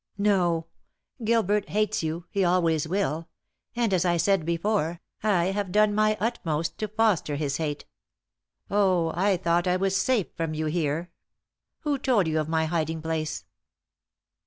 No; Gilbert hates you he always will and as I said before, I have done my utmost to foster his hate. Oh, I thought I was sate from you here. Who told you of my hiding place?"